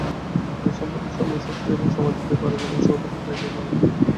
কিন্তু সাম্প্রতিক সময়ে সক্রিয় এবং সময় দিতে পারেন এমন সভাপতি পায়নি দাবা।